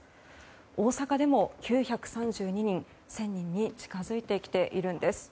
大阪でも９３２人１０００人に近づいてきているんです。